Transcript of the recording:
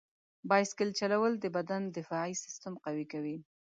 بایسکل چلول د بدن دفاعي سیستم قوي کوي.